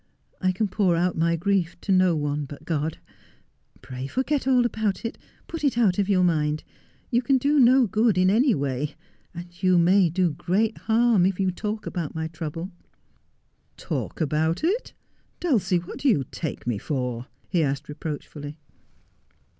I can pour out my grief to no one but God. Pray forget all about it — put it out of your mind. You can do no good in any way. You may do great harm if you talk about my trouble.' ' Talk about it ! Dulcie, what do you take me for 1 ' he asked reproachfully.